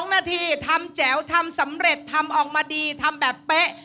๒นาทีทำแจ๋วทำสำเร็จทำออกมาดีทำแบบเป๊ะ